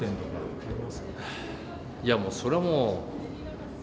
いやもうそれはもう。